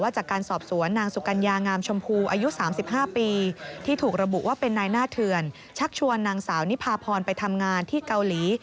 ชวนนางสาวนิพาพรไปทำงานที่เกาหลี